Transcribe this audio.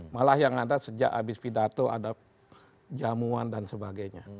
malah yang ada sejak habis pidato ada jamuan dan sebagainya